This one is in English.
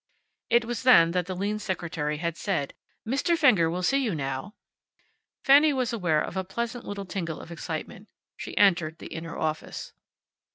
It was then that the lean secretary had said, "Mr. Fenger will see you now." Fanny was aware of a pleasant little tingle of excitement. She entered the inner office.